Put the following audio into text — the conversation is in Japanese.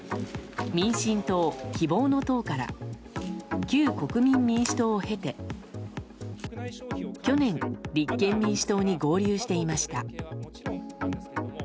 民進党、希望の党から旧国民民主党を経て去年立憲民主党に合流していました。